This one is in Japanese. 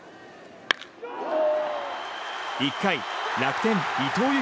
１回楽天、伊藤裕